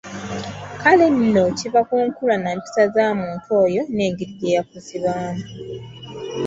Kale nno kiva ku nkula nampisa za muntu oyo n'engeri gye yakuzibwamu.